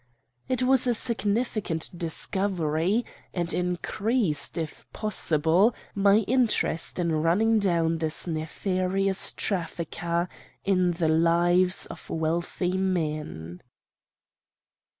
It was a significant discovery, and increased, if possible, my interest in running down this nefarious trafficker in the lives of wealthy men.